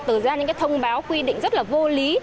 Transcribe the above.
từ ra những cái thông báo quy định rất là vô lý